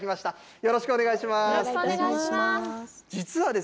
よろしくお願いします。